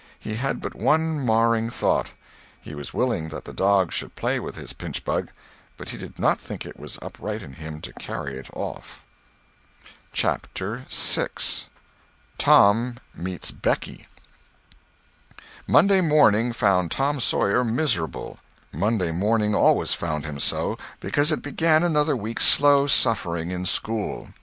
He had but one marring thought; he was willing that the dog should play with his pinchbug, but he did not think it was upright in him to carry it off. CHAPTER VI MONDAY morning found Tom Sawyer miserable. Monday morning always found him so—because it began another week's slow suffering in school.